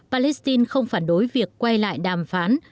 palestine không phản đối việc quay lại đàm phán